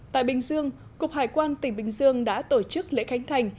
tại bình dương cục hải quan tỉnh bình dương đã tổ chức lễ khánh thành